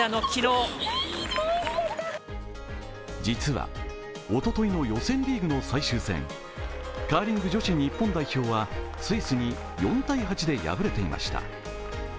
実は、おとといの予選リーグの最終戦、カーリング女子い日本代表はスイスに４−８で敗れていました。